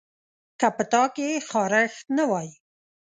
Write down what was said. که په تا کې خارښت نه وای